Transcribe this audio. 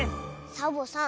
サボさん